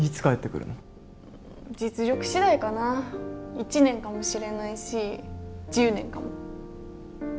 １年かもしれないし１０年かも。